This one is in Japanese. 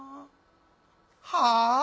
「はあ？」。